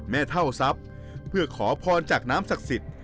เท่าทรัพย์เพื่อขอพรจากน้ำศักดิ์สิทธิ์